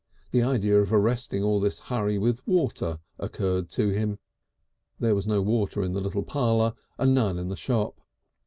The idea of arresting all this hurry with water occurred to him. There was no water in the little parlour and none in the shop.